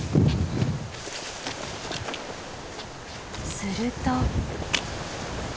すると。